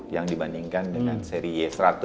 yang dibandingkan dengan seri y seratus